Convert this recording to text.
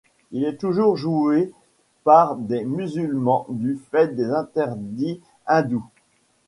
Il est toujours joué par des musulmans du fait des interdits hindous.